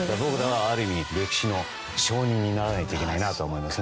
ある意味、歴史の証人にならないといけないなと思います。